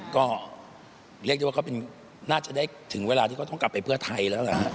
ก็เรียกได้ว่าเขาน่าจะได้ถึงเวลาที่เขาต้องกลับไปเพื่อไทยแล้วแหละฮะ